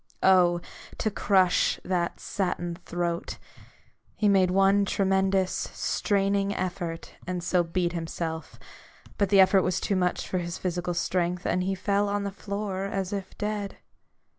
Oh, to crush that satin throat! He made one tremendous, straining effort, and so beat himself; but the effort was too much for his physical strength, and he fell on the floor as if dead.